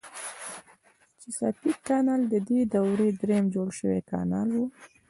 چیساپیک کانال ددې دورې دریم جوړ شوی کانال و.